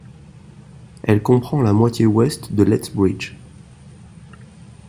Elle comprend la moitié ouest de Lethbridge.